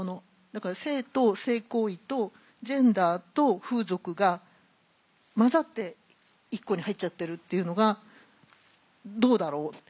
だから性と性行為とジェンダーと風俗が交ざって一個に入っちゃってるっていうのがどうだろう。